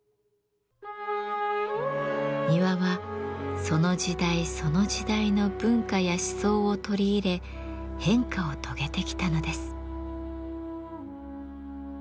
庭はその時代その時代の文化や思想を取り入れ変化を遂げてきたのです。